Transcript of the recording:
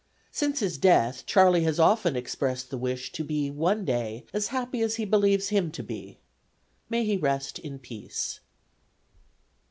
Since his death Charley has often expressed the wish to be one day as happy as he believes him to be. May he rest in peace.